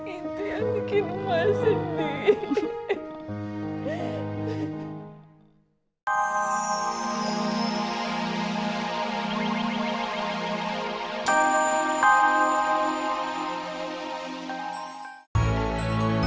itu yang bikin ma sedih